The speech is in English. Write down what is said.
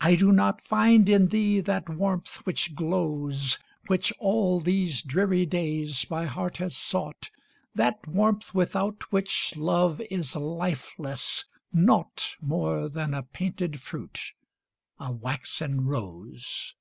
I do not find in thee that warmth which glows, Which, all these dreary days, my heart has sought, That warmth without which love is lifeless, naught More than a painted fruit, a waxen rose.